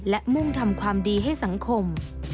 และมุ่งทำความดีให้สังคม